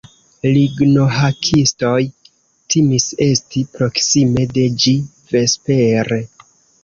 Lignohakistoj timis esti proksime de ĝi vespere.